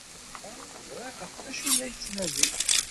Imir-a ẓriɣ ɣef wacu ay la yettnadi.